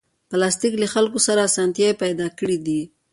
پلاستيک له خلکو سره اسانتیاوې پیدا کړې دي.